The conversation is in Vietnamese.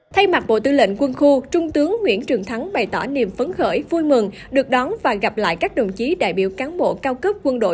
thay mặt bộ tư lệnh quân khu trung tướng nguyễn trường thắng bày tỏ niềm phấn khởi vui mừng được đón và gặp lại các đồng chí đại biểu cán bộ cao cấp quân đội